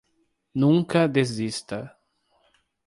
Nunca desista.